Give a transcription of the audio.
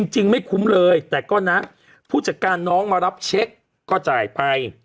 ไม่คุ้มเลยแต่ก็นะผู้จัดการน้องมารับเช็คก็จ่ายไป